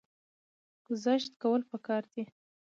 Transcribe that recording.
ګذشت کول پکار دي